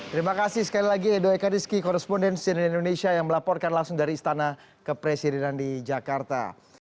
terima kasih sekali lagi edo eka diski korresponden sidenar indonesia yang melaporkan langsung dari istana kepresidenan di jakarta